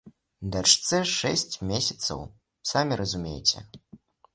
Дачцэ шэсць месяцаў, самі разумееце.